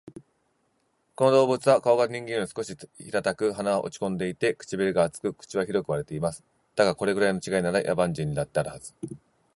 この動物は顔が人間より少し平たく、鼻は落ち込んでいて、唇が厚く、口は広く割れています。だが、これくらいの違いなら、野蛮人にだってあるはず